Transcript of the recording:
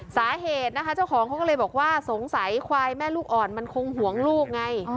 สาเหตุนะคะเจ้าของเขาก็เลยบอกว่าสงสัยควายแม่ลูกอ่อนมันคงห่วงลูกไง